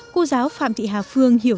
cô giáo phạm thị hà phương hiểu rõ